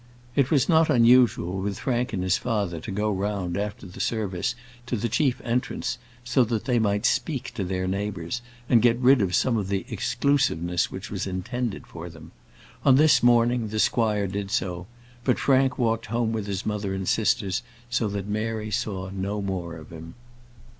It was not unusual with Frank and his father to go round, after the service, to the chief entrance, so that they might speak to their neighbours, and get rid of some of the exclusiveness which was intended for them. On this morning the squire did so; but Frank walked home with his mother and sisters, so that Mary saw no more of him.